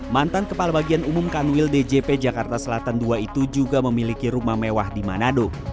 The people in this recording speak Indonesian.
mantan kepala bagian umum kanwil djp jakarta selatan ii itu juga memiliki rumah mewah di manado